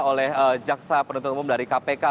oleh jaksa penuntut umum dari kpk